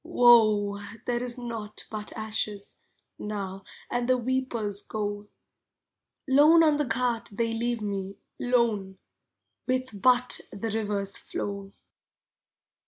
Woe! there is naught but ashes, Now, and the weepers go. Lone on the ghat they leave me, lone, With but the River's flow.